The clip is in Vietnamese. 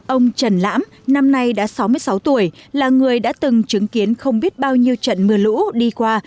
ông trần lãm năm nay đã sáu mươi sáu tuổi là người đã từng chứng kiến không biết bao nhiêu trận mưa lũ đi qua